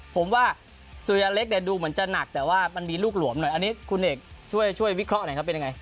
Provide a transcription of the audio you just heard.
ผมว่าสุริยะเล็กเนี่ยดูเหมือนจะหนักแต่ว่ามันมีลูกหลวมหน่อยอันนี้คุณเอกช่วยวิเคราะห์หน่อยครับเป็นยังไง